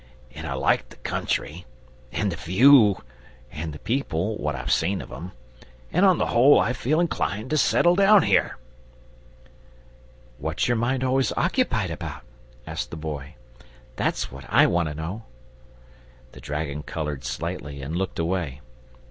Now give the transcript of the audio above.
And I like the country, and the view, and the people what I've seen of 'em and on the whole I feel inclined to settle down here." "What's your mind always occupied about?" asked the Boy. "That's what I want to know." The dragon coloured slightly and looked away.